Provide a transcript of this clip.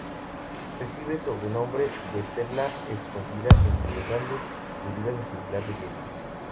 Recibe el sobrenombre de "Perla escondida entre los Andes" debido a su singular belleza.